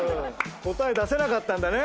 答え出せなかったんだね。